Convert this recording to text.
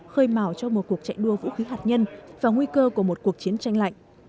khơi màu cho một cuộc chạy đua vũ khí hạt nhân và nguy cơ của một cuộc chiến tranh lạnh